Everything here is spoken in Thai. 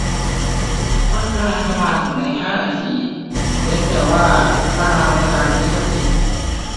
รถรางจะมาถึงในห้านาทีเว้นแต่ว่าตารางเวลานี้จะผิด